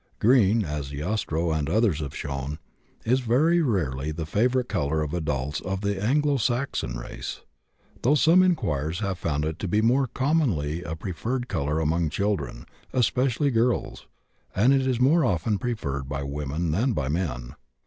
Green (as Jastrow and others have shown) is very rarely the favorite color of adults of the Anglo Saxon race, though some inquirers have found it to be more commonly a preferred color among children, especially girls, and it is more often preferred by women than by men.